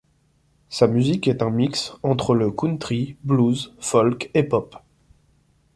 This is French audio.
Sa musique est un mix entre le country, blues, folk et pop.